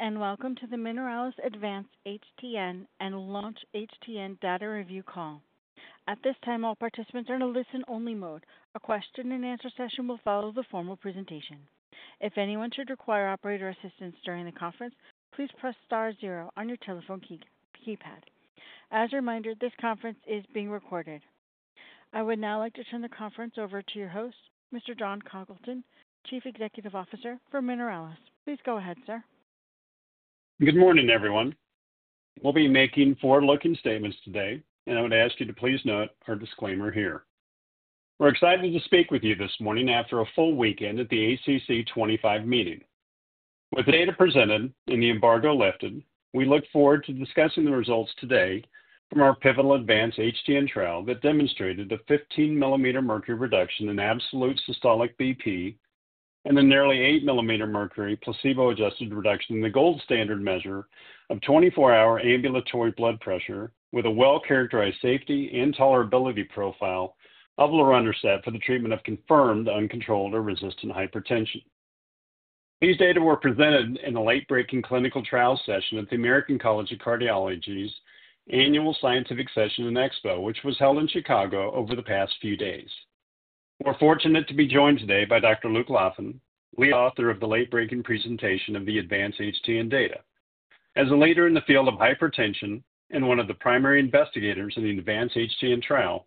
Greetings and welcome to the Mineralys Advance-HTN and Launch-HTN Data Review Call. At this time, all participants are in a listen-only mode. A question-and-answer session will follow the formal presentation. If anyone should require operator assistance during the conference, please press star zero on your telephone keypad. As a reminder, this conference is being recorded. I would now like to turn the conference over to your host, Mr. Jon Congleton, Chief Executive Officer for Mineralys. Please go ahead, sir. Good morning, everyone. We'll be making forward-looking statements today, and I would ask you to please note our disclaimer here. We're excited to speak with you this morning after a full weekend at the ACC.25 meeting. With data presented and the embargo lifted, we look forward to discussing the results today from our pivotal Advance-HTN trial that demonstrated the 15 mmHg reduction in absolute systolic BP and the nearly 8 mmHg placebo-adjusted reduction in the gold standard measure of 24-hour ambulatory blood pressure with a well-characterized safety and tolerability profile of lorundrostat for the treatment of confirmed uncontrolled or resistant hypertension. These data were presented in the late-breaking clinical trial session at the American College of Cardiology's annual scientific session and expo, which was held in Chicago over the past few days. We're fortunate to be joined today by Dr. Luke Laffin, the author of the late-breaking presentation of the Advance-HTN data. As a leader in the field of hypertension and one of the primary investigators in the Advance-HTN trial,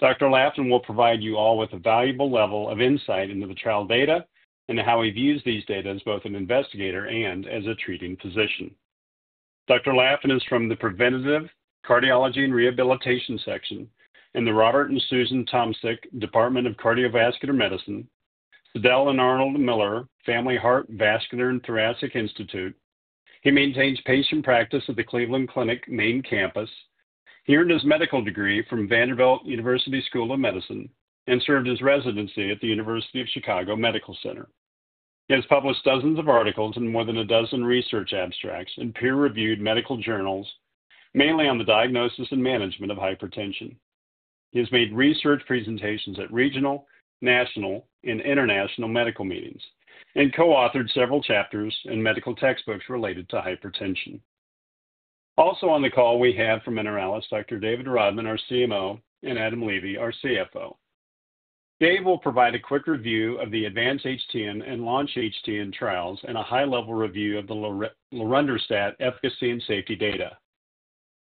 Dr. Laffin will provide you all with a valuable level of insight into the trial data and how he views these data as both an investigator and as a treating physician. Dr. Laffin is from the Preventive Cardiology and Rehabilitation Section in the Robert and Suzanne Tomsich Department of Cardiovascular Medicine, Sydell and Arnold Miller Family Heart, Vascular and Thoracic Institute. He maintains patient practice at the Cleveland Clinic main campus. He earned his medical degree from Vanderbilt University School of Medicine and served his residency at the University of Chicago Medical Center. He has published dozens of articles and more than a dozen research abstracts in peer-reviewed medical journals, mainly on the diagnosis and management of hypertension. He has made research presentations at regional, national, and international medical meetings and co-authored several chapters in medical textbooks related to hypertension. Also on the call, we have from Mineralys Dr. David Rodman, our CMO, and Adam Levy, our CFO. Dave will provide a quick review of the Advance-HTN and Launch-HTN trials and a high-level review of the lorundrostat efficacy and safety data.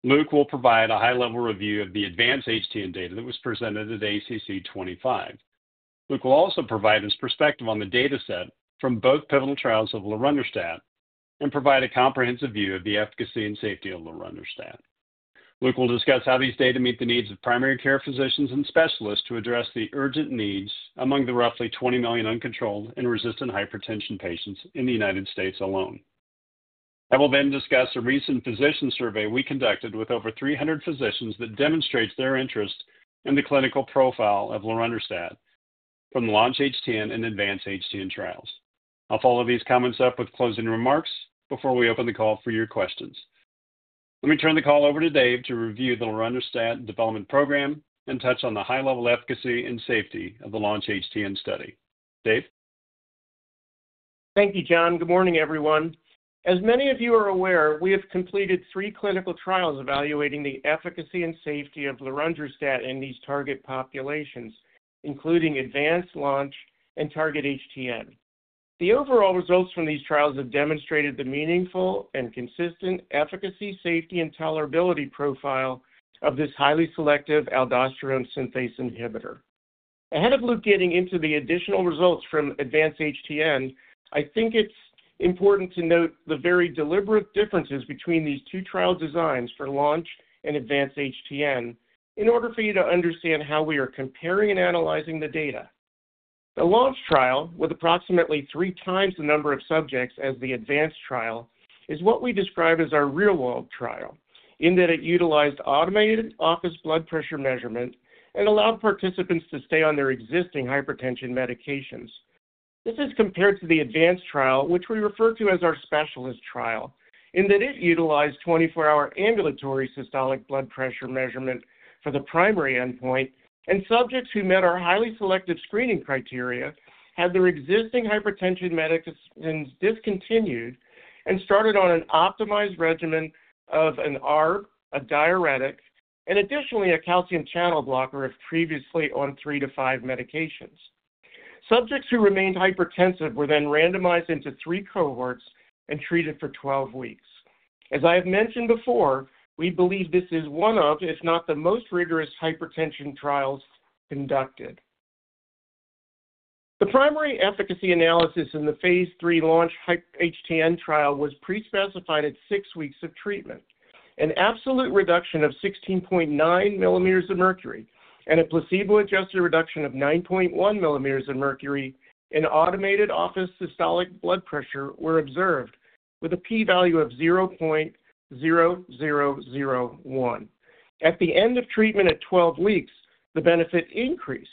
Luke will provide a high-level review of the Advance-HTN data that was presented at ACC.25. Luke will also provide his perspective on the data set from both pivotal trials of lorundrostat and provide a comprehensive view of the efficacy and safety of lorundrostat. Luke will discuss how these data meet the needs of primary care physicians and specialists to address the urgent needs among the roughly 20 million uncontrolled and resistant hypertension patients in the United States alone. I will then discuss a recent physician survey we conducted with over 300 physicians that demonstrates their interest in the clinical profile of lorundrostat from the Launch-HTN and Advance-HTN trials. I'll follow these comments up with closing remarks before we open the call for your questions. Let me turn the call over to Dave to review the lorundrostat development program and touch on the high-level efficacy and safety of the Launch-HTN study. Dave. Thank you, Jon. Good morning, everyone. As many of you are aware, we have completed three clinical trials evaluating the efficacy and safety of lorundrostat in these target populations, including Advance-HTN, Launch-HTN, and Target-HTN. The overall results from these trials have demonstrated the meaningful and consistent efficacy, safety, and tolerability profile of this highly selective aldosterone synthase inhibitor. Ahead of Luke getting into the additional results from Advance-HTN, I think it's important to note the very deliberate differences between these two trial designs for Launch-HTN and Advance-HTN in order for you to understand how we are comparing and analyzing the data. The Launch-HTN trial, with approximately three times the number of subjects as the Advance-HTN trial, is what we describe as our real-world trial in that it utilized automated office blood pressure measurement and allowed participants to stay on their existing hypertension medications. This is compared to the Advance-HTN trial, which we refer to as our specialist trial, in that it utilized 24-hour ambulatory systolic blood pressure measurement for the primary endpoint, and subjects who met our highly selective screening criteria had their existing hypertension medications discontinued and started on an optimized regimen of an ARB, a diuretic, and additionally a calcium channel blocker if previously on three to five medications. Subjects who remained hypertensive were then randomized into three cohorts and treated for 12 weeks. As I have mentioned before, we believe this is one of, if not the most rigorous hypertension trials conducted. The primary efficacy analysis in the phase III Launch-HTN trial was pre-specified at six weeks of treatment. An absolute reduction of 16.9 mmHg and a placebo-adjusted reduction of 9.1 mmHg in automated office systolic blood pressure were observed with a p-value of 0.0001. At the end of treatment at 12 weeks, the benefit increased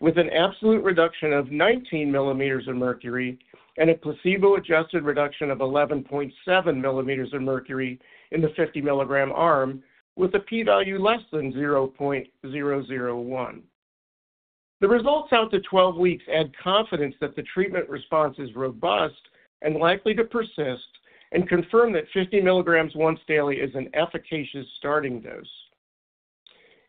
with an absolute reduction of 19 mmHg and a placebo-adjusted reduction of 11.7 mmHg in the 50-milligram arm with a p-value less than 0.0001. The results out to 12 weeks add confidence that the treatment response is robust and likely to persist and confirm that 50 milligrams once daily is an efficacious starting dose.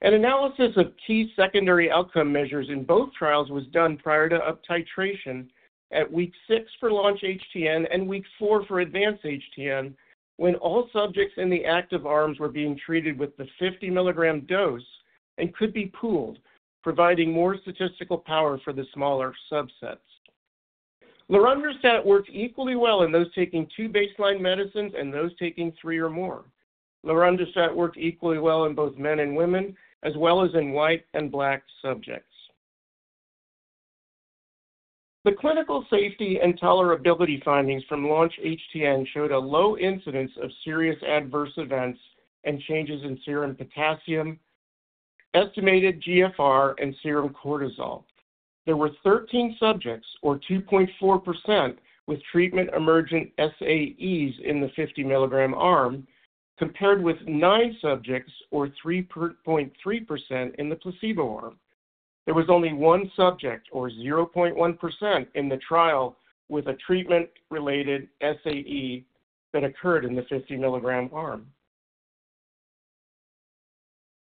An analysis of key secondary outcome measures in both trials was done prior to up titration at week six for Launch-HTN and week four for Advance-HTN when all subjects in the active arms were being treated with the 50-milligram dose and could be pooled, providing more statistical power for the smaller subsets. Lorundrostat worked equally well in those taking two baseline medicines and those taking three or more. Lorundrostat worked equally well in both men and women, as well as in white and black subjects. The clinical safety and tolerability findings from Launch-HTN showed a low incidence of serious adverse events and changes in serum potassium, estimated GFR, and serum cortisol. There were 13 subjects, or 2.4%, with treatment emergent SAEs in the 50-milligram arm compared with nine subjects, or 3.3%, in the placebo arm. There was only one subject, or 0.1%, in the trial with a treatment-related SAE that occurred in the 50-milligram arm.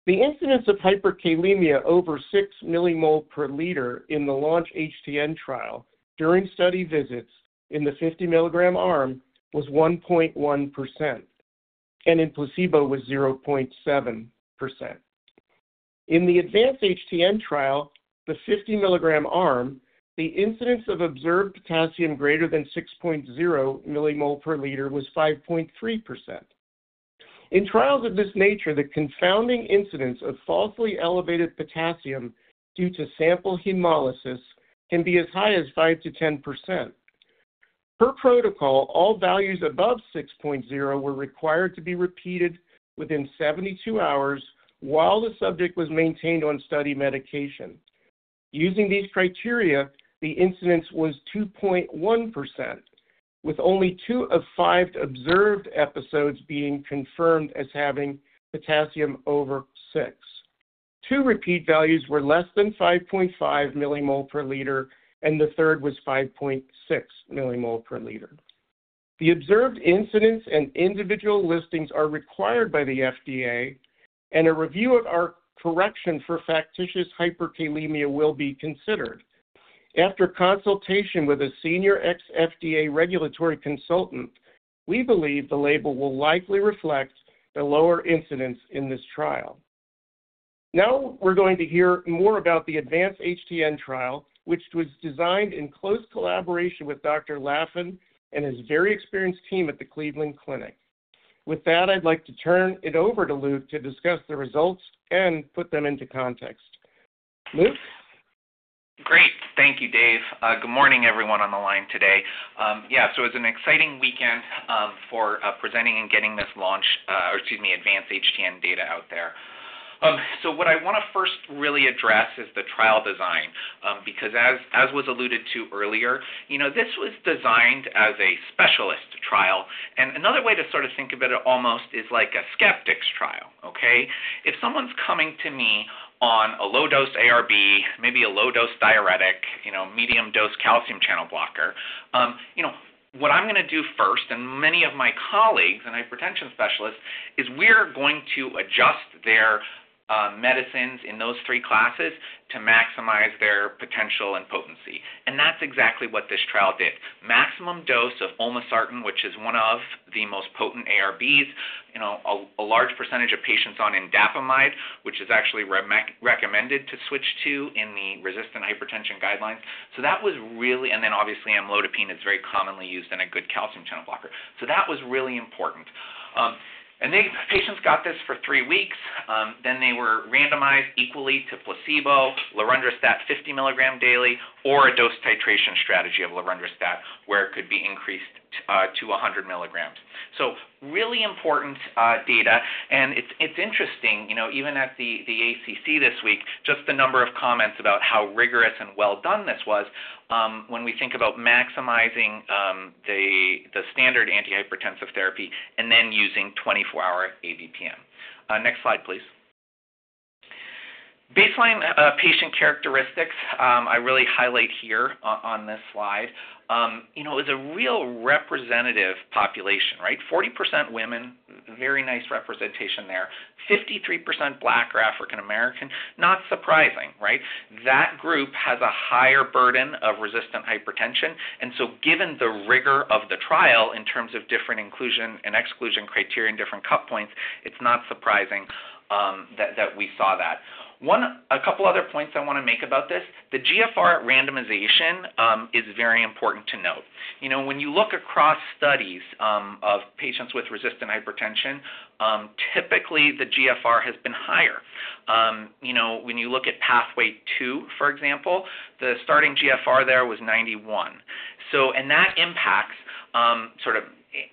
The incidence of hyperkalemia over 6 millimole per liter in the Launch-HTN trial during study visits in the 50-milligram arm was 1.1%, and in placebo was 0.7%. In the Advance-HTN trial, the 50-milligram arm, the incidence of observed potassium greater than 6.0 millimole per liter was 5.3%. In trials of this nature, the confounding incidence of falsely elevated potassium due to sample hemolysis can be as high as 5%-10%. Per protocol, all values above 6.0 were required to be repeated within 72 hours while the subject was maintained on study medication. Using these criteria, the incidence was 2.1%, with only two of five observed episodes being confirmed as having potassium over 6. Two repeat values were less than 5.5 millimole per liter, and the third was 5.6 millimole per liter. The observed incidence and individual listings are required by the FDA, and a review of our correction for factitious hyperkalemia will be considered. After consultation with a senior ex-FDA regulatory consultant, we believe the label will likely reflect the lower incidence in this trial. Now we're going to hear more about the Advance-HTN trial, which was designed in close collaboration with Dr. Laffin and his very experienced team at the Cleveland Clinic. With that, I'd like to turn it over to Luke to discuss the results and put them into context. Luke. Great. Thank you, Dave. Good morning, everyone on the line today. Yeah, it was an exciting weekend for presenting and getting this Launch-HTN, or excuse me, Advance-HTN data out there. What I want to first really address is the trial design because, as was alluded to earlier, this was designed as a specialist trial. Another way to sort of think of it almost is like a skeptic's trial, okay? If someone's coming to me on a low-dose ARB, maybe a low-dose diuretic, medium-dose calcium channel blocker, what I'm going to do first, and many of my colleagues and hypertension specialists, is we're going to adjust their medicines in those three classes to maximize their potential and potency. That's exactly what this trial did. Maximum dose of olmesartan, which is one of the most potent ARBs, a large percentage of patients on indapamide, which is actually recommended to switch to in the resistant hypertension guidelines. That was really, and then obviously amlodipine is very commonly used in a good calcium channel blocker. That was really important. The patients got this for three weeks. They were randomized equally to placebo, lorundrostat 50-milligram daily, or a dose titration strategy of lorundrostat where it could be increased to 100 milligrams. Really important data. It's interesting, even at the ACC this week, just the number of comments about how rigorous and well done this was when we think about maximizing the standard antihypertensive therapy and then using 24-hour ABPM. Next slide, please. Baseline patient characteristics I really highlight here on this slide. It was a real representative population, right? 40% women, very nice representation there. 53% Black or African American, not surprising, right? That group has a higher burden of resistant hypertension. Given the rigor of the trial in terms of different inclusion and exclusion criteria and different cut points, it's not surprising that we saw that. A couple of other points I want to make about this. The GFR randomization is very important to note. When you look across studies of patients with resistant hypertension, typically the GFR has been higher. When you look at PATHWAY-2, for example, the starting GFR there was 91. That impacts sort of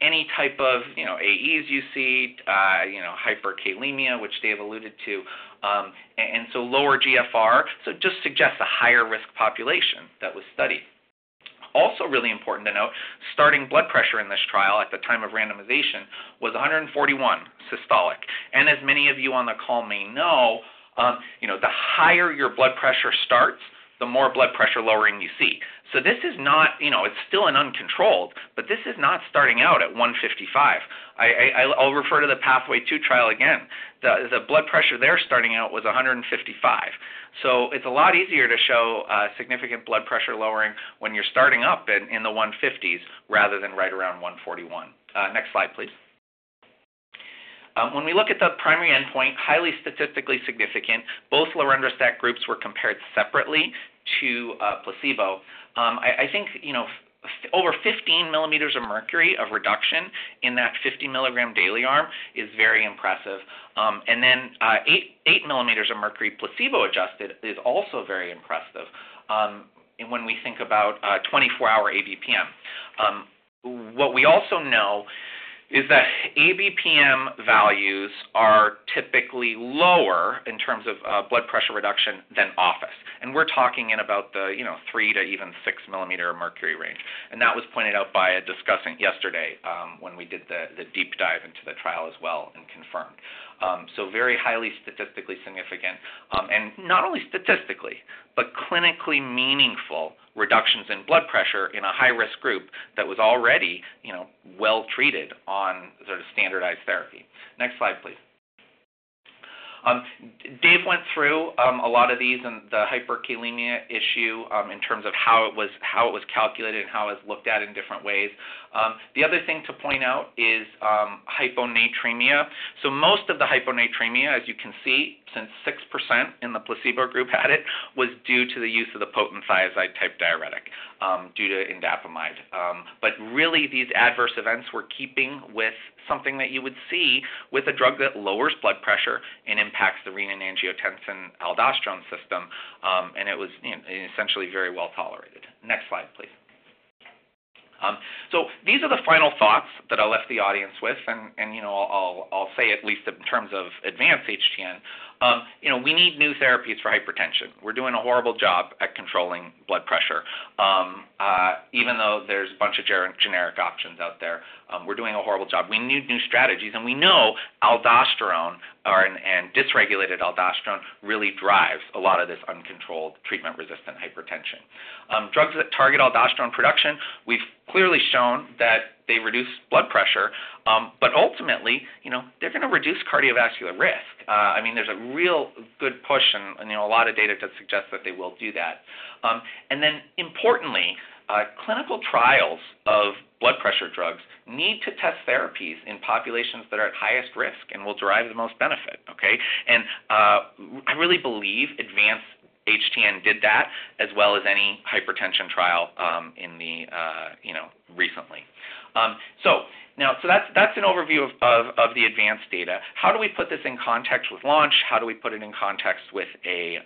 any type of AEs you see, hyperkalemia, which Dave alluded to, and lower GFR. It just suggests a higher risk population that was studied. Also really important to note, starting blood pressure in this trial at the time of randomization was 141 systolic. As many of you on the call may know, the higher your blood pressure starts, the more blood pressure lowering you see. This is not, it's still uncontrolled, but this is not starting out at 155. I'll refer to the PATHWAY-2 trial again. The blood pressure there starting out was 155. It is a lot easier to show significant blood pressure lowering when you're starting up in the 150s rather than right around 141. Next slide, please. When we look at the primary endpoint, highly statistically significant, both lorundrostat groups were compared separately to placebo. I think over 15 mmHg of reduction in that 50-milligram daily arm is very impressive. And then 8 mmHg placebo-adjusted is also very impressive when we think about 24-hour ABPM. What we also know is that ABPM values are typically lower in terms of blood pressure reduction than office. We're talking about the three to even six mmHg range. That was pointed out by discussion yesterday when we did the deep dive into the trial as well and confirmed. Very highly statistically significant. Not only statistically, but clinically meaningful reductions in blood pressure in a high-risk group that was already well treated on sort of standardized therapy. Next slide, please. Dave went through a lot of these and the hyperkalemia issue in terms of how it was calculated and how it was looked at in different ways. The other thing to point out is hyponatremia. Most of the hyponatremia, as you can see, since 6% in the placebo group had it, was due to the use of the potent thiazide-type diuretic due to indapamide. These adverse events were really keeping with something that you would see with a drug that lowers blood pressure and impacts the renin-angiotensin-aldosterone system. It was essentially very well tolerated. Next slide, please. These are the final thoughts that I left the audience with. I'll say at least in terms of Advance-HTN, we need new therapies for hypertension. We're doing a horrible job at controlling blood pressure, even though there's a bunch of generic options out there. We're doing a horrible job. We need new strategies. We know aldosterone and dysregulated aldosterone really drives a lot of this uncontrolled treatment-resistant hypertension. Drugs that target aldosterone production, we've clearly shown that they reduce blood pressure, but ultimately they're going to reduce cardiovascular risk. I mean, there's a real good push and a lot of data to suggest that they will do that. Then importantly, clinical trials of blood pressure drugs need to test therapies in populations that are at highest risk and will derive the most benefit, okay? I really believe Advance-HTN did that as well as any hypertension trial recently. That is an overview of the Advance-HTN data. How do we put this in context with Launch-HTN? How do we put it in context in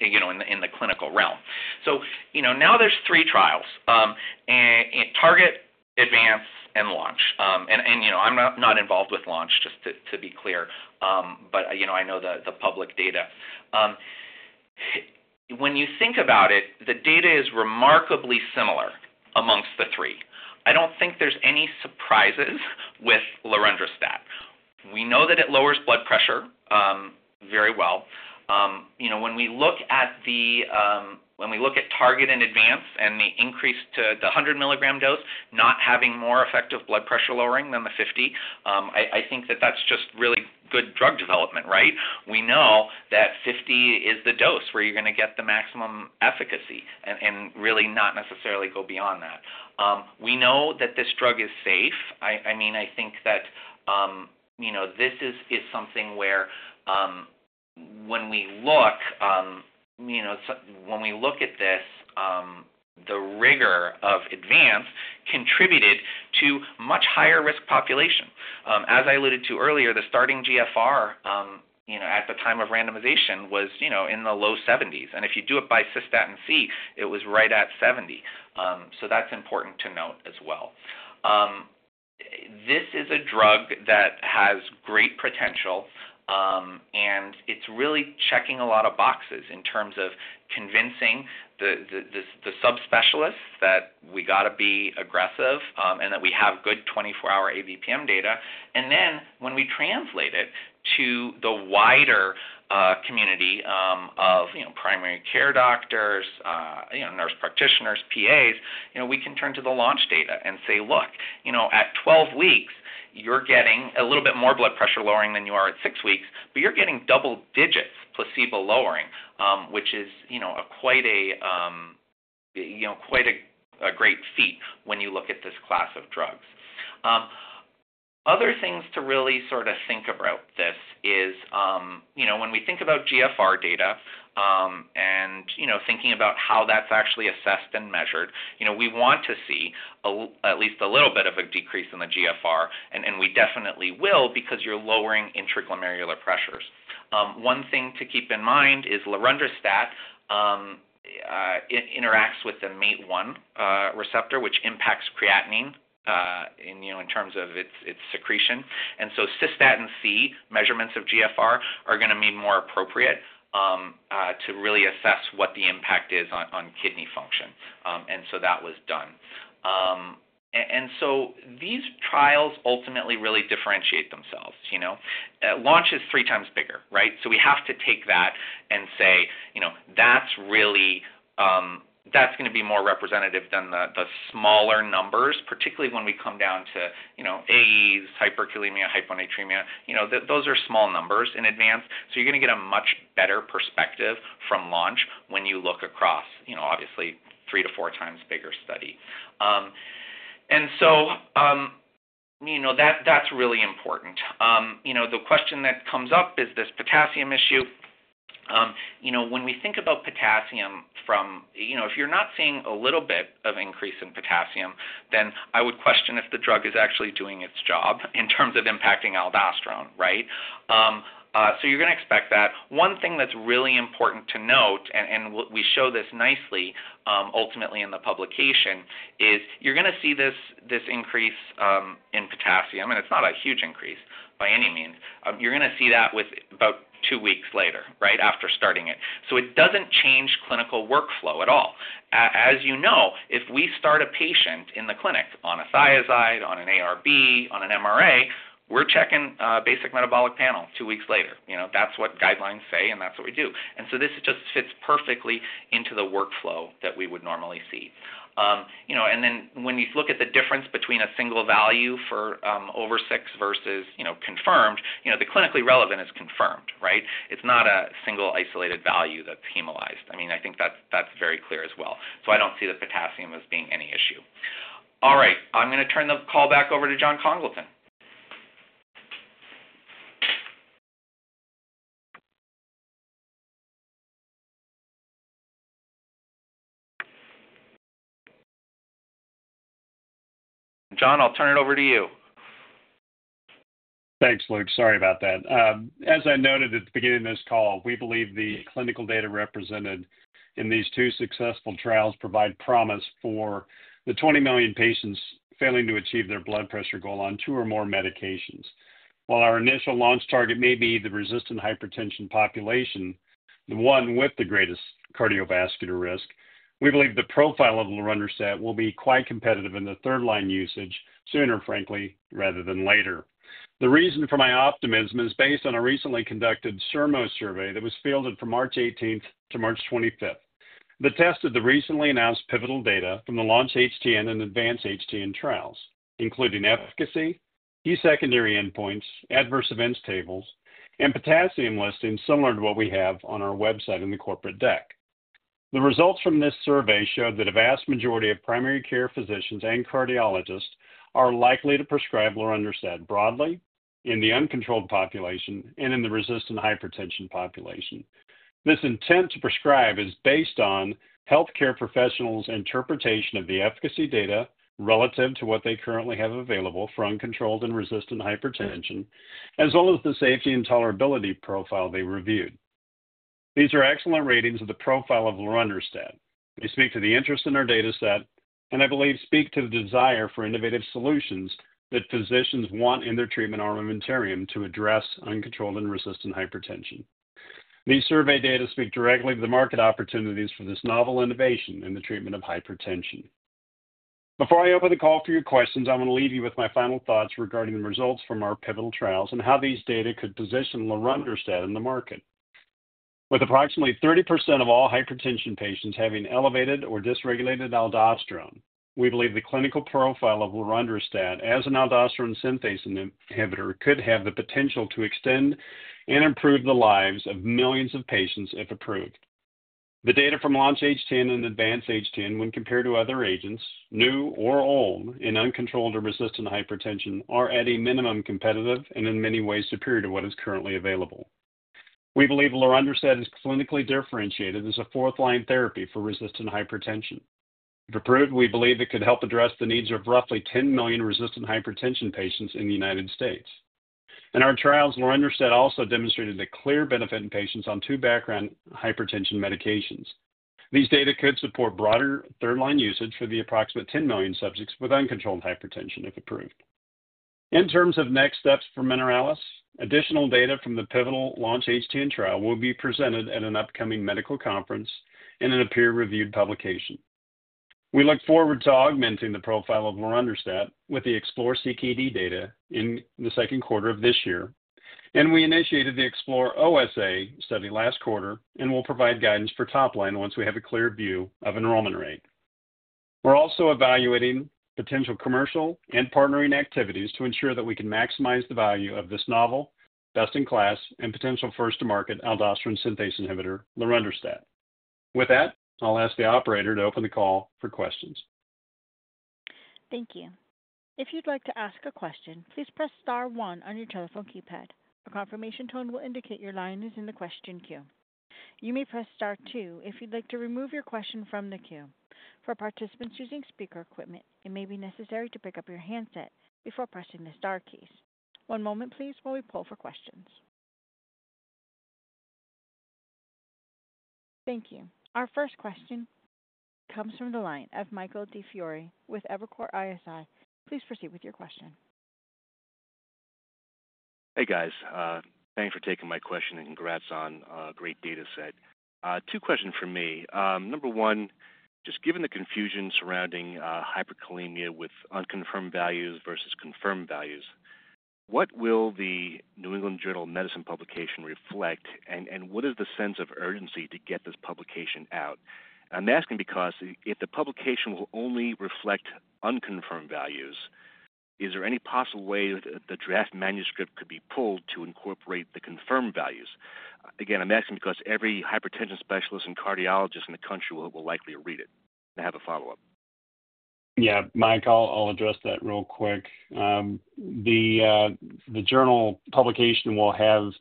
the clinical realm? Now there are three trials: Target-HTN, Advance-HTN, and Launch-HTN. I am not involved with Launch-HTN, just to be clear, but I know the public data. When you think about it, the data is remarkably similar amongst the three. I do not think there are any surprises with lorundrostat. We know that it lowers blood pressure very well. When we look at the Target-HTN and Advance-HTN and the increase to the 100-milligram dose, not having more effective blood pressure lowering than the 50, I think that that's just really good drug development, right? We know that 50 is the dose where you're going to get the maximum efficacy and really not necessarily go beyond that. We know that this drug is safe. I mean, I think that this is something where when we look, when we look at this, the rigor of Advance-HTN contributed to much higher risk population. As I alluded to earlier, the starting GFR at the time of randomization was in the low 70s. If you do it by cystatin C, it was right at 70. That is important to note as well. This is a drug that has great potential, and it's really checking a lot of boxes in terms of convincing the subspecialists that we got to be aggressive and that we have good 24-hour ABPM data. When we translate it to the wider community of primary care doctors, nurse practitioners, PAs, we can turn to the Launch-HTN data and say, "Look, at 12 weeks, you're getting a little bit more blood pressure lowering than you are at 6 weeks, but you're getting double digits placebo lowering," which is quite a great feat when you look at this class of drugs. Other things to really sort of think about this is when we think about GFR data and thinking about how that's actually assessed and measured, we want to see at least a little bit of a decrease in the GFR, and we definitely will because you're lowering intraglomerular pressures. One thing to keep in mind is lorundrostat interacts with the MATE1 receptor, which impacts creatinine in terms of its secretion. And so cystatin C measurements of GFR are going to be more appropriate to really assess what the impact is on kidney function. And so that was done. And so these trials ultimately really differentiate themselves. Launch-HTN is three times bigger, right? So we have to take that and say, "That's going to be more representative than the smaller numbers," particularly when we come down to AEs, hyperkalemia, hyponatremia. Those are small numbers in Advance-HTN. You're going to get a much better perspective from Launch-HTN when you look across, obviously, three to four times bigger study. That's really important. The question that comes up is this potassium issue. When we think about potassium, if you're not seeing a little bit of increase in potassium, then I would question if the drug is actually doing its job in terms of impacting aldosterone, right? You're going to expect that. One thing that's really important to note, and we show this nicely ultimately in the publication, is you're going to see this increase in potassium, and it's not a huge increase by any means. You're going to see that about two weeks later, right, after starting it. It doesn't change clinical workflow at all. As you know, if we start a patient in the clinic on a thiazide, on an ARB, on an MRA, we're checking basic metabolic panel two weeks later. That's what guidelines say, and that's what we do. This just fits perfectly into the workflow that we would normally see. When you look at the difference between a single value for over 6 versus confirmed, the clinically relevant is confirmed, right? It's not a single isolated value that's hemolyzed. I mean, I think that's very clear as well. I don't see the potassium as being any issue. All right. I'm going to turn the call back over to Jon Congleton. Jon, I'll turn it over to you. Thanks, Luke. Sorry about that. As I noted at the beginning of this call, we believe the clinical data represented in these two successful trials provide promise for the 20 million patients failing to achieve their blood pressure goal on two or more medications. While our initial Launch-HTN Target-HTN may be the resistant hypertension population, the one with the greatest cardiovascular risk, we believe the profile of lorundrostat will be quite competitive in the third-line usage sooner, frankly, rather than later. The reason for my optimism is based on a recently conducted SERMO survey that was fielded from March 18th to March 25th. The test of the recently announced pivotal data from the Launch-HTN and Advance-HTN trials, including efficacy, key secondary endpoints, adverse events tables, and potassium listing similar to what we have on our website in the corporate deck. The results from this survey showed that a vast majority of primary care physicians and cardiologists are likely to prescribe lorundrostat broadly in the uncontrolled population and in the resistant hypertension population. This intent to prescribe is based on healthcare professionals' interpretation of the efficacy data relative to what they currently have available for uncontrolled and resistant hypertension, as well as the safety and tolerability profile they reviewed. These are excellent ratings of the profile of lorundrostat. They speak to the interest in our data set, and I believe speak to the desire for innovative solutions that physicians want in their treatment armamentarium to address uncontrolled and resistant hypertension. These survey data speak directly to the market opportunities for this novel innovation in the treatment of hypertension. Before I open the call for your questions, I want to leave you with my final thoughts regarding the results from our pivotal trials and how these data could position lorundrostat in the market. With approximately 30% of all hypertension patients having elevated or dysregulated aldosterone, we believe the clinical profile of lorundrostat as an aldosterone synthase inhibitor could have the potential to extend and improve the lives of millions of patients if approved. The data from Launch-HTN and Advance-HTN, when compared to other agents, new or old, in uncontrolled or resistant hypertension, are at a minimum competitive and in many ways superior to what is currently available. We believe lorundrostat is clinically differentiated as a fourth-line therapy for resistant hypertension. If approved, we believe it could help address the needs of roughly 10 million resistant hypertension patients in the United States. In our trials, lorundrostat also demonstrated a clear benefit in patients on two background hypertension medications. These data could support broader third-line usage for the approximate 10 million subjects with uncontrolled hypertension if approved. In terms of next steps for Mineralys, additional data from the pivotal Launch-HTN trial will be presented at an upcoming medical conference in a peer-reviewed publication. We look forward to augmenting the profile of lorundrostat with the Explore-CKD data in the second quarter of this year. We initiated the Explore-OSA study last quarter and will provide guidance for top line once we have a clear view of enrollment rate. We are also evaluating potential commercial and partnering activities to ensure that we can maximize the value of this novel, best in class, and potential first-to-market aldosterone synthase inhibitor, lorundrostat. With that, I'll ask the operator to open the call for questions. Thank you. If you'd like to ask a question, please press star one on your telephone keypad. A confirmation tone will indicate your line is in the question queue. You may press star two if you'd like to remove your question from the queue. For participants using speaker equipment, it may be necessary to pick up your handset before pressing the star keys. One moment, please, while we pull for questions. Thank you. Our first question comes from the line of Michael DiFiore with Evercore ISI. Please proceed with your question. Hey, guys. Thanks for taking my question and congrats on a great data set. Two questions for me. Number one, just given the confusion surrounding hyperkalemia with unconfirmed values versus confirmed values, what will the New England Journal of Medicine publication reflect, and what is the sense of urgency to get this publication out? I'm asking because if the publication will only reflect unconfirmed values, is there any possible way that the draft manuscript could be pulled to incorporate the confirmed values? Again, I'm asking because every hypertension specialist and cardiologist in the country will likely read it and have a follow-up. Yeah, Michael, I'll address that real quick. The journal publication will have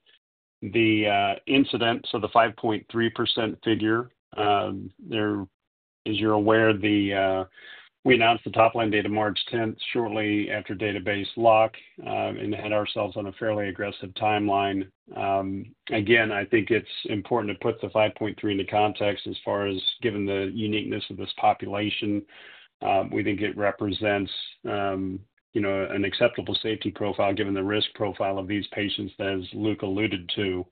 the incident, so the 5.3% figure. As you're aware, we announced the top line date of March 10th shortly after database lock and had ourselves on a fairly aggressive timeline. Again, I think it's important to put the 5.3% into context as far as given the uniqueness of this population. We think it represents an acceptable safety profile given the risk profile of these patients that, as Luke alluded to,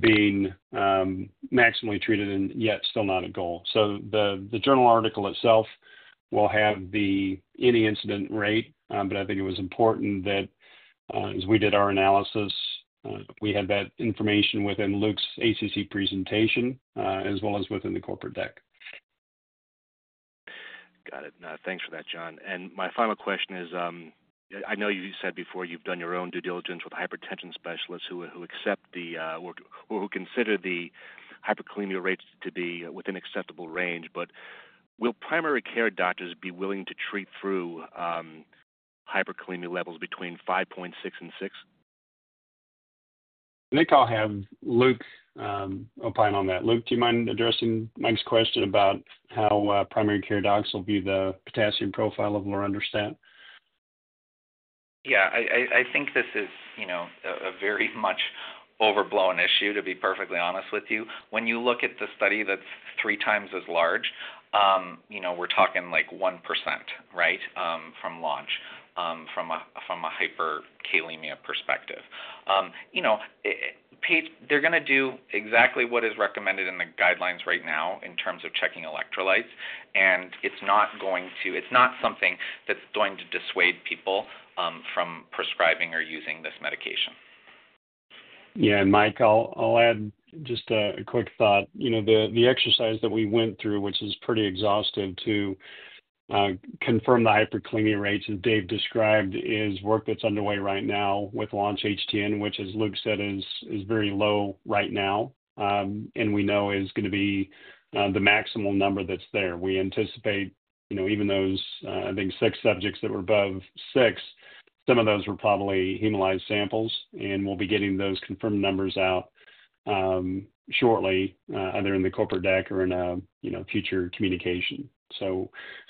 being maximally treated and yet still not at goal. The journal article itself will have the any incident rate, but I think it was important that, as we did our analysis, we had that information within Luke's ACC presentation as well as within the corporate deck. Got it. Thanks for that, Jon. My final question is, I know you said before you've done your own due diligence with hypertension specialists who accept the or who consider the hyperkalemia rates to be within acceptable range, but will primary care doctors be willing to treat through hyperkalemia levels between 5.6 and 6? Mike, I'll have Luke opine on that. Luke, do you mind addressing Mike's question about how primary care docs will view the potassium profile of lorundrostat? Yeah. I think this is a very much overblown issue, to be perfectly honest with you. When you look at the study that's three times as large, we're talking like 1%, right, from Launch-HTN from a hyperkalemia perspective. They're going to do exactly what is recommended in the guidelines right now in terms of checking electrolytes, and it's not going to it's not something that's going to dissuade people from prescribing or using this medication. Yeah. Michael, I'll add just a quick thought. The exercise that we went through, which is pretty exhaustive to confirm the hyperkalemia rates as Dave described, is work that's underway right now with Launch-HTN, which, as Luke said, is very low right now and we know is going to be the maximum number that's there. We anticipate even those, I think, six subjects that were above 6, some of those were probably hemolyzed samples, and we'll be getting those confirmed numbers out shortly, either in the corporate deck or in a future communication.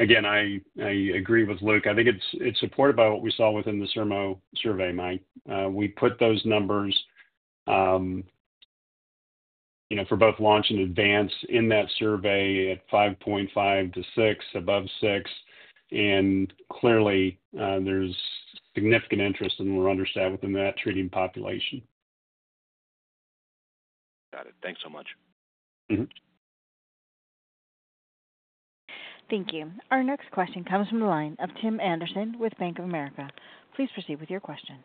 Again, I agree with Luke. I think it's supported by what we saw within the SERMO survey, Mike. We put those numbers for both Launch-HTN and Advance-HTN in that survey at 5.5-6, above 6, and clearly there's significant interest in lorundrostat within that treating population. Got it. Thanks so much. Thank you. Our next question comes from the line of Tim Anderson with Bank of America. Please proceed with your question.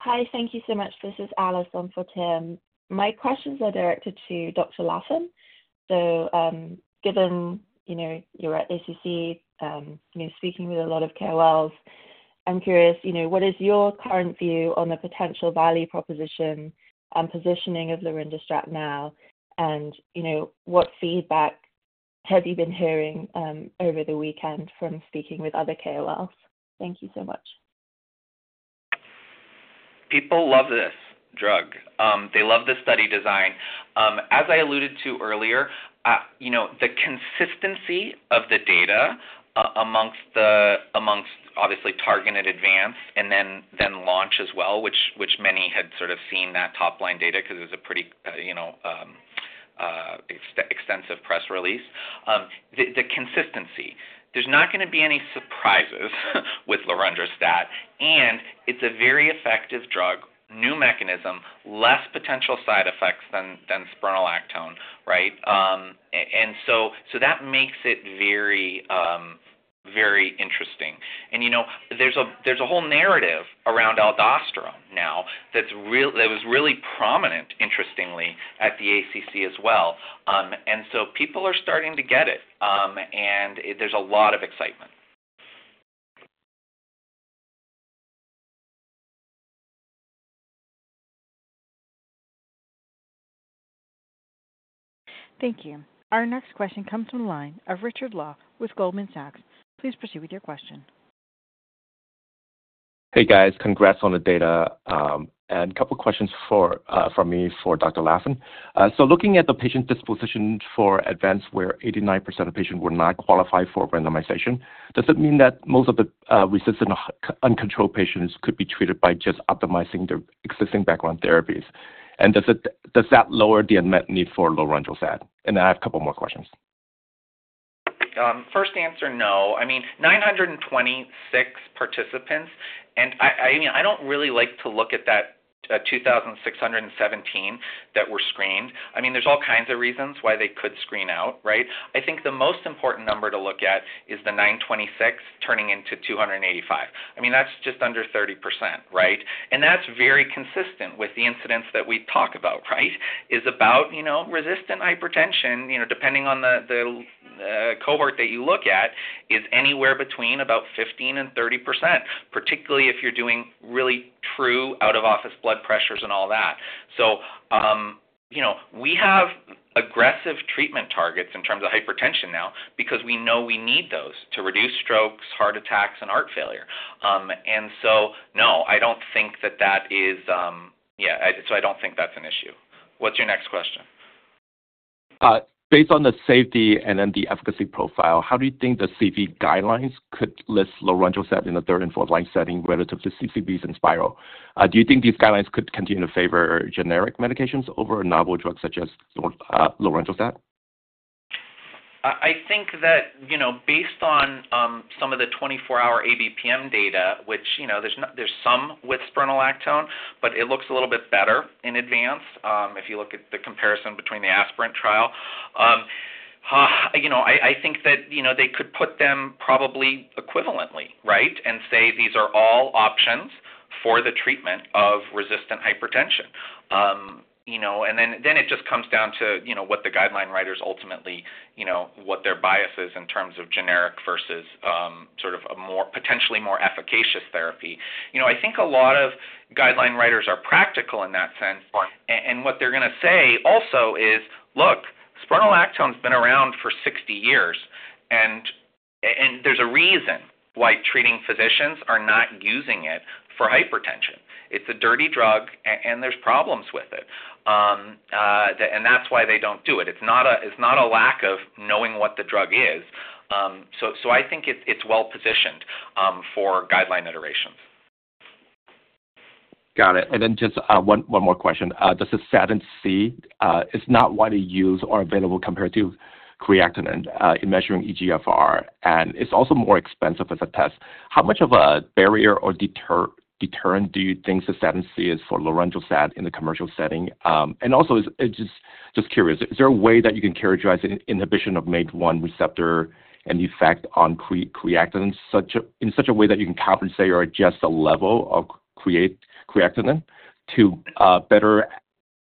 Hi. Thank you so much. This is Alison for Tim. My questions are directed to Dr. Laffin. Given you're at ACC speaking with a lot of KOLs, I'm curious, what is your current view on the potential value proposition and positioning of lorundrostat now, and what feedback have you been hearing over the weekend from speaking with other KOLs? Thank you so much. People love this drug. They love the study design. As I alluded to earlier, the consistency of the data amongst, obviously, Target-HTN, Advance-HTN, and then Launch-HTN as well, which many had sort of seen that top line data because it was a pretty extensive press release. The consistency. There's not going to be any surprises with lorundrostat, and it's a very effective drug, new mechanism, less potential side effects than spironolactone, right? That makes it very, very interesting. There's a whole narrative around aldosterone now that was really prominent, interestingly, at the ACC as well. People are starting to get it, and there's a lot of excitement. Thank you. Our next question comes from the line of Richard Law with Goldman Sachs. Please proceed with your question. Hey, guys. Congrats on the data. I have a couple of questions for Dr. Laffin. Looking at the patient disposition for Advance-HTN where 89% of patients were not qualified for randomization, does it mean that most of the resistant uncontrolled patients could be treated by just optimizing their existing background therapies? Does that lower the unmet need for lorundrostat? I have a couple more questions. First answer, no. I mean, 926 participants. And I don't really like to look at that 2,617 that were screened. I mean, there's all kinds of reasons why they could screen out, right? I think the most important number to look at is the 926 turning into 285. I mean, that's just under 30%, right? And that's very consistent with the incidents that we talk about, right? It's about resistant hypertension. Depending on the cohort that you look at, it's anywhere between about 15%-30%, particularly if you're doing really true out-of-office blood pressures and all that. We have aggressive treatment targets in terms of hypertension now because we know we need those to reduce strokes, heart attacks, and heart failure. No, I don't think that that is yeah, so I don't think that's an issue. What's your next question? Based on the safety and then the efficacy profile, how do you think the CV guidelines could list lorundrostat in the third and fourth-line setting relative to CCBs and spironolactone? Do you think these guidelines could continue to favor generic medications over novel drugs such as lorundrostat? I think that based on some of the 24-hour ABPM data, which there's some with spironolactone, but it looks a little bit better in Advance-HTN if you look at the comparison between the ASPIRANT trial. I think that they could put them probably equivalently, right, and say these are all options for the treatment of resistant hypertension. It just comes down to what the guideline writers ultimately, what their bias is in terms of generic versus sort of a potentially more efficacious therapy. I think a lot of guideline writers are practical in that sense. What they're going to say also is, "Look, spironolactone has been around for 60 years, and there's a reason why treating physicians are not using it for hypertension. It's a dirty drug, and there's problems with it. That is why they do not do it. It is not a lack of knowing what the drug is. I think it is well-positioned for guideline iterations. Got it. And then just one more question. Does the cystatin C not want to use or available compared to creatinine in measuring eGFR? And it's also more expensive as a test. How much of a barrier or deterrent do you think the cystatin C is for lorundrostat in the commercial setting? And also, just curious, is there a way that you can characterize inhibition of MATE1 receptor and the effect on creatinine in such a way that you can compensate or adjust the level of creatinine to better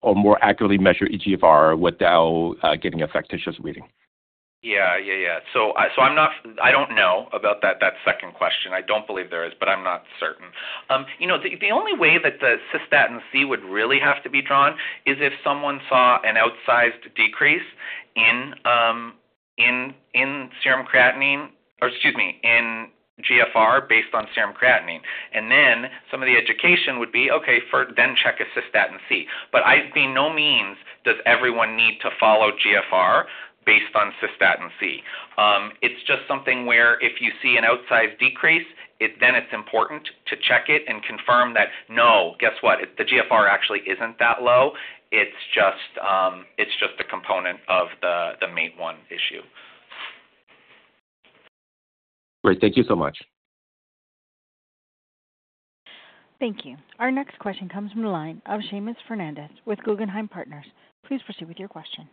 or more accurately measure eGFR without getting a factitious reading? Yeah, yeah, yeah. I don't know about that second question. I don't believe there is, but I'm not certain. The only way that the cystatin C would really have to be drawn is if someone saw an outsized decrease in serum creatinine or, excuse me, in GFR based on serum creatinine. Some of the education would be, "Okay, then check a cystatin C." By no means does everyone need to follow GFR based on cystatin C. It's just something where if you see an outsized decrease, then it's important to check it and confirm that, "No, guess what? The GFR actually isn't that low. It's just a component of the MATE1 issue. Great. Thank you so much. Thank you. Our next question comes from the line of Seamus Fernandez with Guggenheim Partners. Please proceed with your question.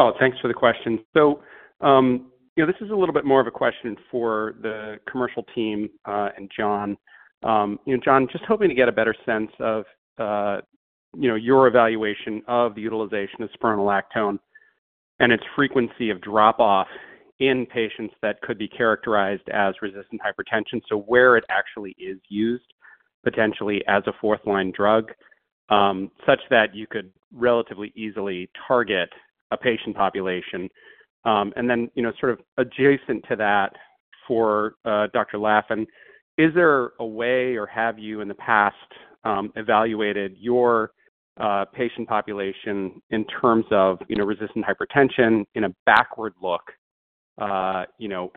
Oh, thanks for the question. This is a little bit more of a question for the commercial team and Jon. Jon, just hoping to get a better sense of your evaluation of the utilization of spironolactone and its frequency of drop-off in patients that could be characterized as resistant hypertension, where it actually is used potentially as a fourth-line drug such that you could relatively easily target a patient population. Adjacent to that for Dr. Laffin, is there a way or have you in the past evaluated your patient population in terms of resistant hypertension in a backward look at your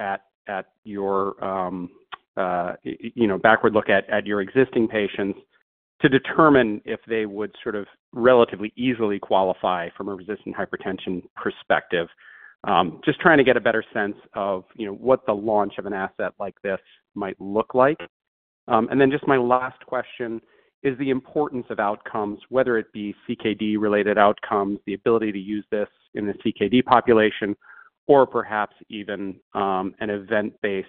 existing patients to determine if they would relatively easily qualify from a resistant hypertension perspective? Just trying to get a better sense of what the Launch-HTN of an asset like this might look like. Just my last question is the importance of outcomes, whether it be CKD-related outcomes, the ability to use this in the CKD population, or perhaps even an event-based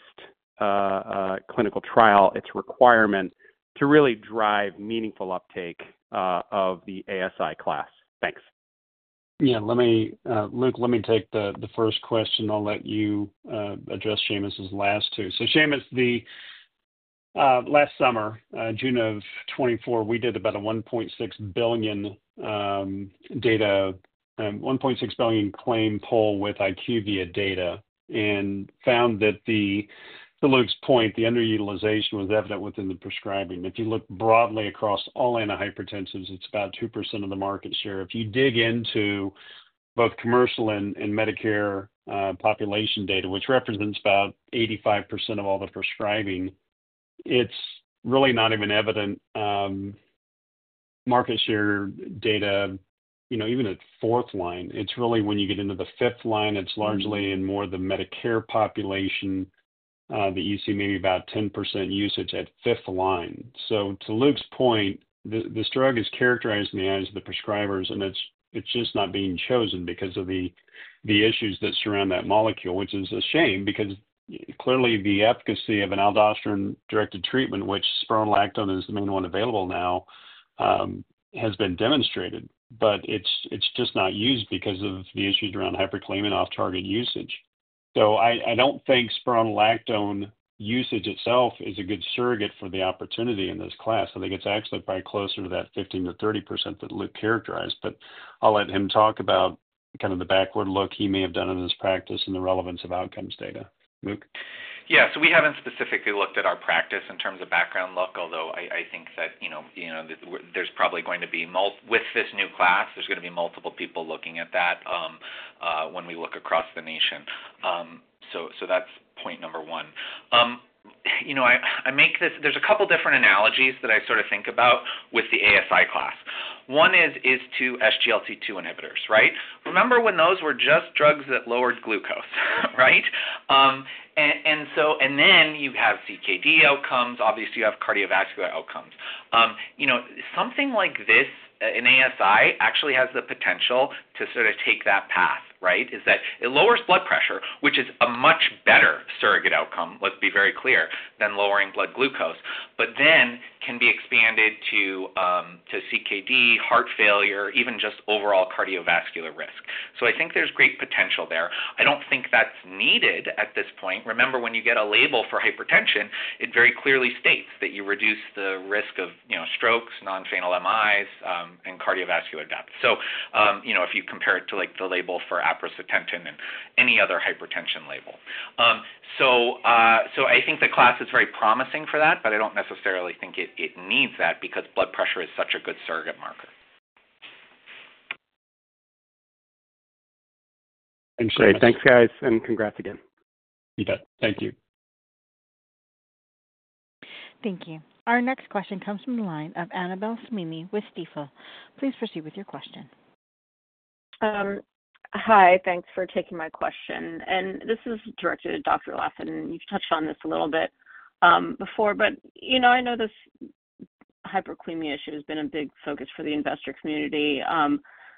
clinical trial, its requirement to really drive meaningful uptake of the ASI class. Thanks. Yeah. Luke, let me take the first question. I'll let you address Seamus' last two. Seamus, last summer, June of 2024, we did about a 1.6 billion data, 1.6 billion claim poll with IQVIA data and found that, to Luke's point, the underutilization was evident within the prescribing. If you look broadly across all antihypertensives, it's about 2% of the market share. If you dig into both commercial and Medicare population data, which represents about 85% of all the prescribing, it's really not even evident market share data, even at fourth line. It's really when you get into the fifth line, it's largely in more the Medicare population that you see maybe about 10% usage at fifth line. To Luke's point, this drug is characterized in the eyes of the prescribers, and it's just not being chosen because of the issues that surround that molecule, which is a shame because clearly the efficacy of an aldosterone-directed treatment, which spironolactone is the main one available now, has been demonstrated, but it's just not used because of the issues around hyperkalemia and off-target usage. I don't think spironolactone usage itself is a good surrogate for the opportunity in this class. I think it's actually probably closer to that 15%-30% that Luke characterized. I'll let him talk about kind of the backward look he may have done in his practice and the relevance of outcomes data. Luke? Yeah. We haven't specifically looked at our practice in terms of background look, although I think that there's probably going to be with this new class, there's going to be multiple people looking at that when we look across the nation. That's point number one. I make this, there's a couple of different analogies that I sort of think about with the ASI class. One is to SGLT2 inhibitors, right? Remember when those were just drugs that lowered glucose, right? Then you have CKD outcomes. Obviously, you have cardiovascular outcomes. Something like this in ASI actually has the potential to sort of take that path, right? It lowers blood pressure, which is a much better surrogate outcome, let's be very clear, than lowering blood glucose, but then can be expanded to CKD, heart failure, even just overall cardiovascular risk. I think there's great potential there. I don't think that's needed at this point. Remember, when you get a label for hypertension, it very clearly states that you reduce the risk of strokes, non-fatal MIs, and cardiovascular death. If you compare it to the label for aprocitentan and any other hypertension label. I think the class is very promising for that, but I don't necessarily think it needs that because blood pressure is such a good surrogate marker. Thanks, guys. Congrats again. You bet. Thank you. Thank you. Our next question comes from the line of Annabel Samimy with Stifel. Please proceed with your question. Hi. Thanks for taking my question. This is directed to Dr. Laffin. You've touched on this a little bit before, but I know this hyperkalemia issue has been a big focus for the investor community.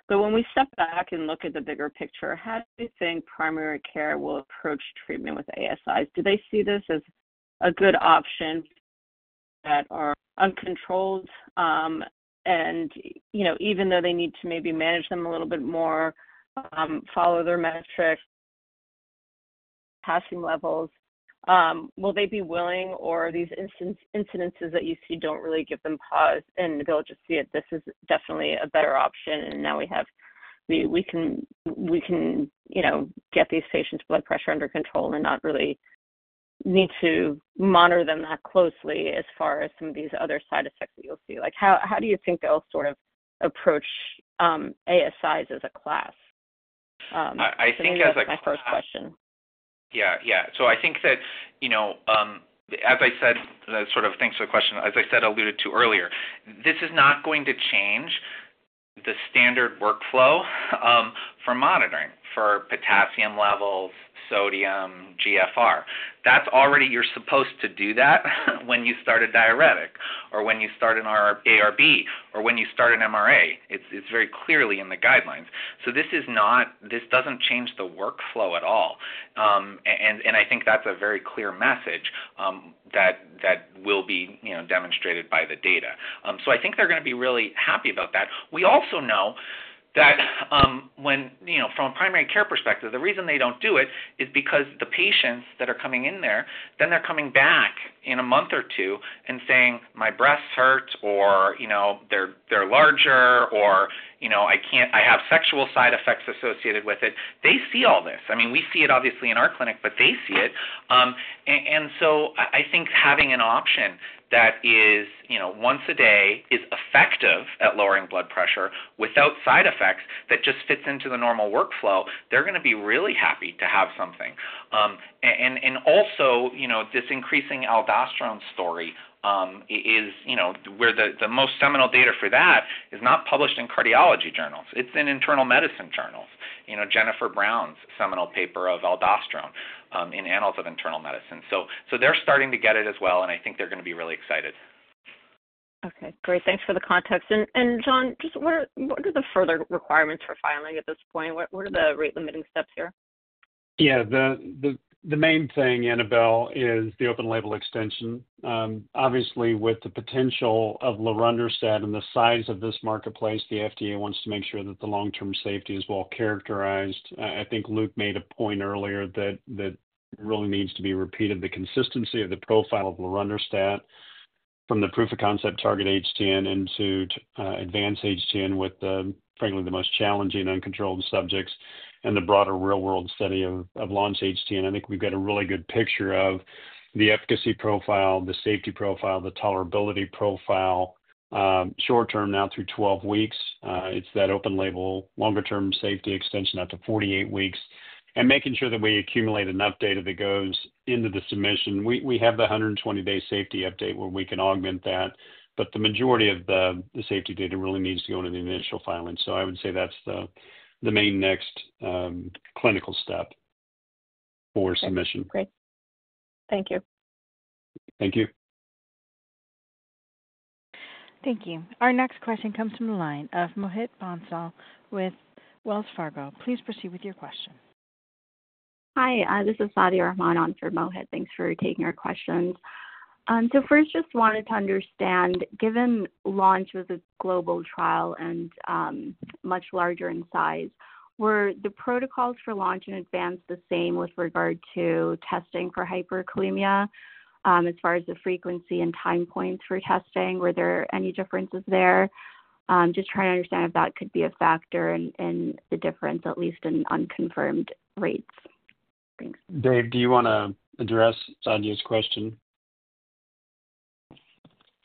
When we step back and look at the bigger picture, how do you think primary care will approach treatment with ASIs? Do they see this as a good option for those that are uncontrolled? Even though they need to maybe manage them a little bit more, follow their metrics, potassium levels, will they be willing, or are these incidences that you see not really giving them pause and they'll just see that this is definitely a better option? Now we can get these patients' blood pressure under control and not really need to monitor them that closely as far as some of these other side effects that you'll see. How do you think they'll sort of approach ASIs as a class? I think as a class. That's my first question. Yeah, yeah. I think that, as I said, sort of thanks for the question. As I said, I alluded to earlier, this is not going to change the standard workflow for monitoring for potassium levels, sodium, GFR. That's already you're supposed to do that when you start a diuretic or when you start an ARB or when you start an MRA. It's very clearly in the guidelines. This doesn't change the workflow at all. I think that's a very clear message that will be demonstrated by the data. I think they're going to be really happy about that. We also know that from a primary care perspective, the reason they don't do it is because the patients that are coming in there, then they're coming back in a month or two and saying, "My breasts hurt," or, "They're larger," or, "I have sexual side effects associated with it." They see all this. I mean, we see it obviously in our clinic, but they see it. I think having an option that is once a day is effective at lowering blood pressure without side effects that just fits into the normal workflow, they're going to be really happy to have something. Also, this increasing aldosterone story is where the most seminal data for that is not published in cardiology journals. It's in internal medicine journals, Jenifer Brown's seminal paper of aldosterone in Annals of Internal Medicine. They're starting to get it as well, and I think they're going to be really excited. Okay. Great. Thanks for the context. Jon, just what are the further requirements for filing at this point? What are the rate-limiting steps here? Yeah. The main thing, Annabel, is the open label extension. Obviously, with the potential of lorundrostat and the size of this marketplace, the FDA wants to make sure that the long-term safety is well characterized. I think Luke made a point earlier that really needs to be repeated, the consistency of the profile of lorundrostat from the proof of concept Target-HTN into Advance-HTN with, frankly, the most challenging uncontrolled subjects and the broader real-world study of Launch-HTN. I think we've got a really good picture of the efficacy profile, the safety profile, the tolerability profile, short-term now through 12 weeks. It is that open label longer-term safety extension up to 48 weeks. Making sure that we accumulate enough data that goes into the submission. We have the 120-day safety update where we can augment that, but the majority of the safety data really needs to go into the initial filing. I would say that's the main next clinical step for submission. Okay. Great. Thank you. Thank you. Thank you. Our next question comes from the line of Mohit Bansal with Wells Fargo. Please proceed with your question. Hi. This is Sadia Rahman on for Mohit. Thanks for taking our questions. First, just wanted to understand, given Launch-HTN was a global trial and much larger in size, were the protocols for Launch-HTN and Advance-HTN the same with regard to testing for hyperkalemia as far as the frequency and time points for testing? Were there any differences there? Just trying to understand if that could be a factor in the difference, at least in unconfirmed rates. Thanks. Dave, do you want to address Sadia's question?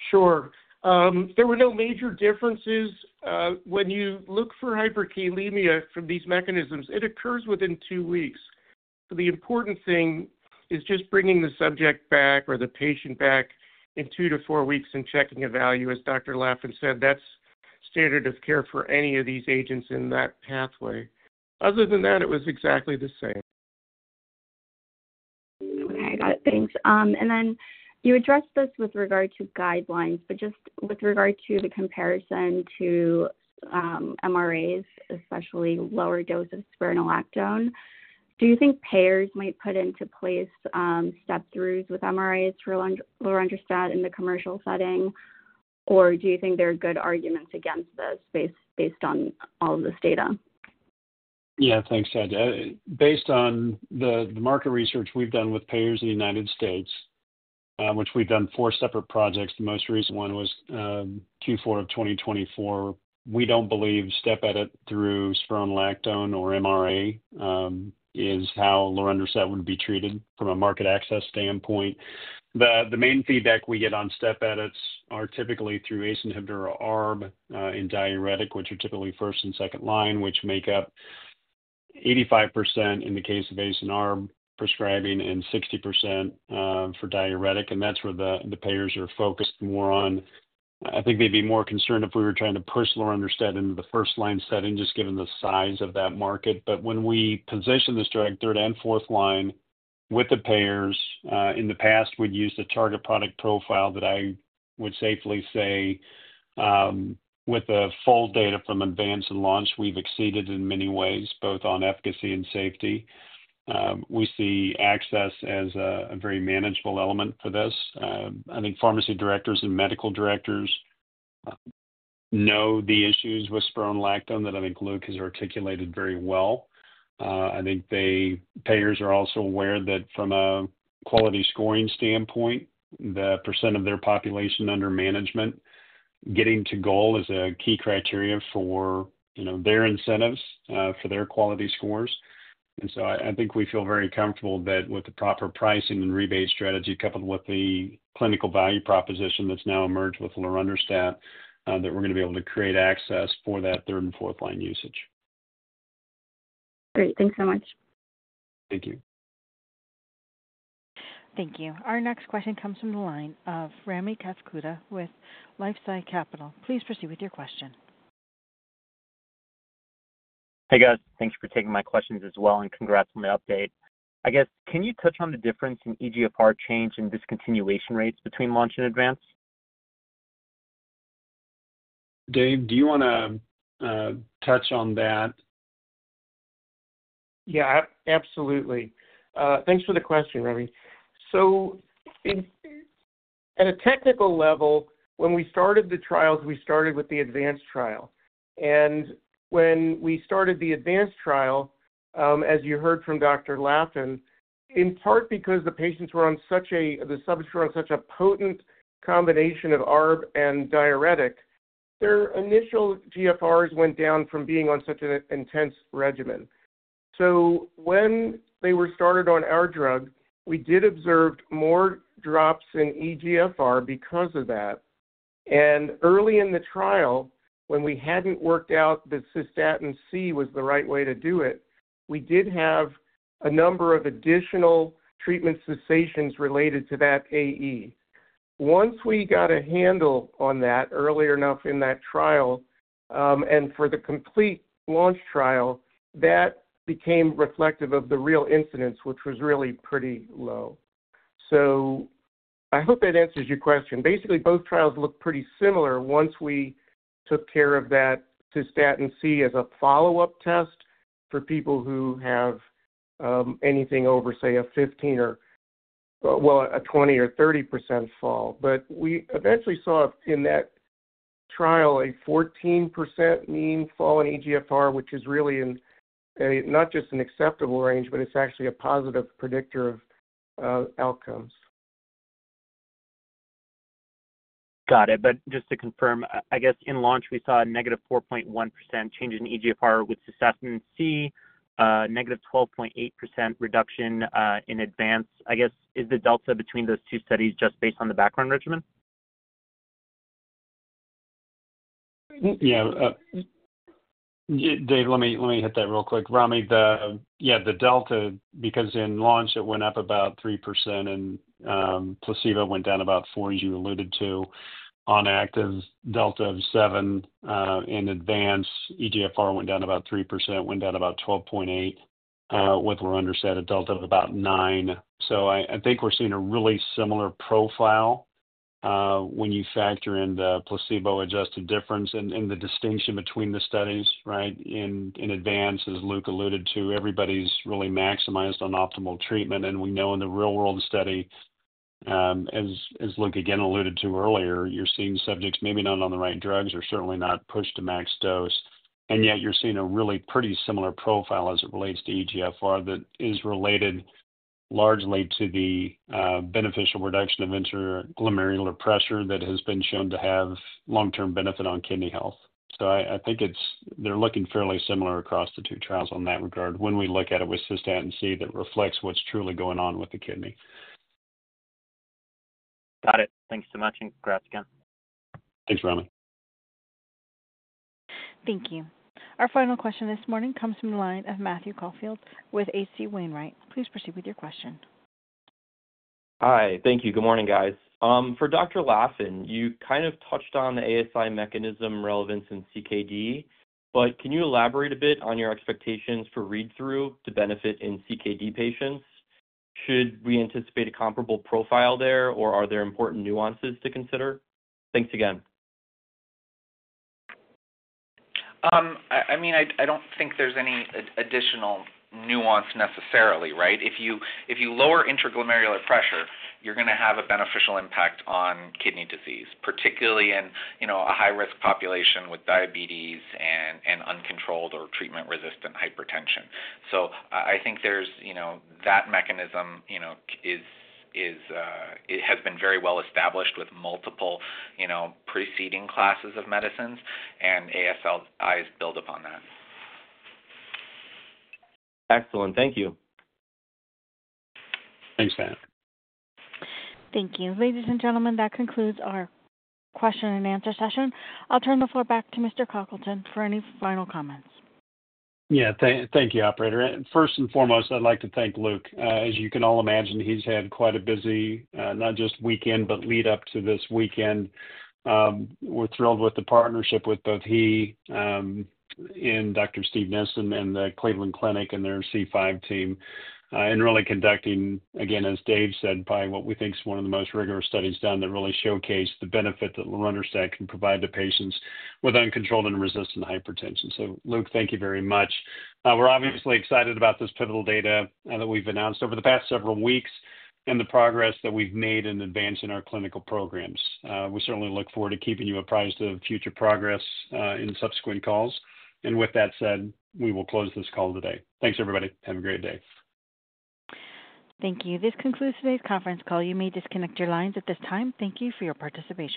Sure. There were no major differences. When you look for hyperkalemia from these mechanisms, it occurs within two weeks. The important thing is just bringing the subject back or the patient back in two to four weeks and checking a value, as Dr. Laffin said. That's standard of care for any of these agents in that pathway. Other than that, it was exactly the same. Okay. Got it. Thanks. You addressed this with regard to guidelines, but just with regard to the comparison to MRAs, especially lower dose of spironolactone. Do you think payers might put into place step-throughs with MRAs for lorundrostat in the commercial setting, or do you think there are good arguments against this based on all of this data? Yeah. Thanks, Sadia. Based on the market research we've done with payers in the United States, which we've done four separate projects, the most recent one was Q4 of 2024, we don't believe step-edit through spironolactone or MRA is how lorundrostat would be treated from a market access standpoint. The main feedback we get on step edits are typically through ACE inhibitor or ARB and diuretic, which are typically first and second line, which make up 85% in the case of ACE and ARB prescribing and 60% for diuretic. That's where the payers are focused more on. I think they'd be more concerned if we were trying to push lorundrostat into the first line setting just given the size of that market. When we position the drug third and fourth line with the payers, in the past, we'd use the target product profile that I would safely say with the full data from Advance-HTN and Launch-HTN, we've exceeded in many ways, both on efficacy and safety. We see access as a very manageable element for this. I think pharmacy directors and medical directors know the issues with spironolactone that I think Luke has articulated very well. I think payers are also aware that from a quality scoring standpoint, the percent of their population under management getting to goal is a key criteria for their incentives for their quality scores. I think we feel very comfortable that with the proper pricing and rebate strategy coupled with the clinical value proposition that's now emerged with lorundrostat, we're going to be able to create access for that third and fourth line usage. Great. Thanks so much. Thank you. Thank you. Our next question comes from the line of Rami Katkhuda with LifeSci Capital. Please proceed with your question. Hey, guys. Thanks for taking my questions as well and congrats on the update. I guess, can you touch on the difference in eGFR change and discontinuation rates between Launch-HTN and Advance-HTN? Dave, do you want to touch on that? Yeah. Absolutely. Thanks for the question, Rami. At a technical level, when we started the trials, we started with the Advance-HTN trial. When we started the Advance-HTN trial, as you heard from Dr. Laffin, in part because the patients were on such a—the subjects were on such a potent combination of ARB and diuretic, their initial eGFRs went down from being on such an intense regimen. When they were started on our drug, we did observe more drops in eGFR because of that. Early in the trial, when we had not worked out that cystatin C was the right way to do it, we did have a number of additional treatment cessations related to that AE. Once we got a handle on that early enough in that trial and for the complete Launch-HTN trial, that became reflective of the real incidence, which was really pretty low. I hope that answers your question. Basically, both trials looked pretty similar once we took care of that cystatin C as a follow-up test for people who have anything over, say, a 15% or, well, a 20% or 30% fall. We eventually saw in that trial a 14% mean fall in eGFR, which is really not just an acceptable range, but it's actually a positive predictor of outcomes. Got it. Just to confirm, I guess in Launch-HTN, we saw a negative 4.1% change in eGFR with cystatin C, negative 12.8% reduction in Advance-HTN. I guess, is the delta between those two studies just based on the background regimen? Yeah. Dave, let me hit that real quick. Rami, yeah, the delta, because in Launch-HTN, it went up about 3%, and placebo went down about 4%, as you alluded to, on active delta of 7%. In Advance-HTN, eGFR went down about 3%, went down about 12.8%, with lorundrostat at delta of about 9%. I think we're seeing a really similar profile when you factor in the placebo-adjusted difference and the distinction between the studies, right? In Advance-HTN, as Luke alluded to, everybody's really maximized on optimal treatment. We know in the real-world study, as Luke again alluded to earlier, you're seeing subjects maybe not on the right drugs or certainly not pushed to max dose. Yet, you're seeing a really pretty similar profile as it relates to eGFR that is related largely to the beneficial reduction of intraglomerular pressure that has been shown to have long-term benefit on kidney health. I think they're looking fairly similar across the two trials in that regard when we look at it with cystatin C that reflects what's truly going on with the kidney. Got it. Thanks so much, and congrats again. Thanks, Rami. Thank you. Our final question this morning comes from the line of Matthew Caufield with H.C. Wainwright. Please proceed with your question. Hi. Thank you. Good morning, guys. For Dr. Laffin, you kind of touched on the ASI mechanism relevance in CKD, but can you elaborate a bit on your expectations for read-through to benefit in CKD patients? Should we anticipate a comparable profile there, or are there important nuances to consider? Thanks again. I mean, I don't think there's any additional nuance necessarily, right? If you lower intraglomerular pressure, you're going to have a beneficial impact on kidney disease, particularly in a high-risk population with diabetes and uncontrolled or treatment-resistant hypertension. I think that mechanism has been very well established with multiple preceding classes of medicines, and ASIs build upon that. Excellent. Thank you. Thanks, Matt. Thank you. Ladies and gentlemen, that concludes our question-and-answer session. I'll turn the floor back to Mr. Congleton for any final comments. Yeah. Thank you, Operator. First and foremost, I'd like to thank Luke. As you can all imagine, he's had quite a busy not just weekend, but lead-up to this weekend. We're thrilled with the partnership with both he and Dr. Steve Nissen and the Cleveland Clinic and their C5 team in really conducting, again, as Dave said, probably what we think is one of the most rigorous studies done that really showcase the benefit that lorundrostat can provide to patients with uncontrolled and resistant hypertension. Luke, thank you very much. We're obviously excited about this pivotal data that we've announced over the past several weeks and the progress that we've made in Advance-HTN in our clinical programs. We certainly look forward to keeping you apprised of future progress in subsequent calls. With that said, we will close this call today. Thanks, everybody. Have a great day. Thank you. This concludes today's conference call. You may disconnect your lines at this time. Thank you for your participation.